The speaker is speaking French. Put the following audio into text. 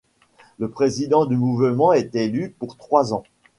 Le président du mouvement est élu pour trois ans.